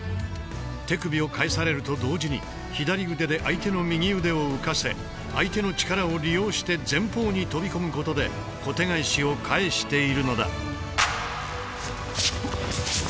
手首を返されると同時に左腕で相手の右腕を浮かせ相手の力を利用して前方に飛び込むことで小手返しを返しているのだ。